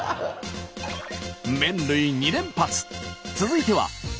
麺類２連発。